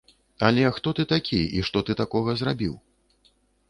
Але хто ты такі і што ты такога зрабіў?